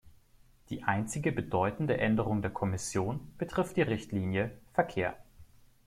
Die einzige bedeutende Änderung der Kommission betrifft die Richtlinie "Verkehr" .